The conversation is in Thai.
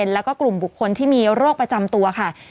แล้วก็กลุ่มบุคคลที่มีโรคประจำตัวค่ะ